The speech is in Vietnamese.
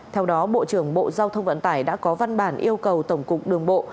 theo đó bộ trưởng bộ giao thông vận tải đã có văn bản yêu cầu tổng cục đường bộ